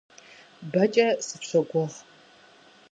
Бэкӏэ сыпщогугъ.